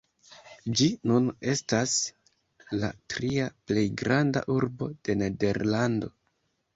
Ĝi nun estas la tria plej granda urbo de Nederlando.